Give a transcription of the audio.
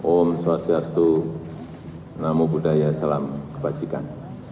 om swastiastu namo buddhaya salam kebajikan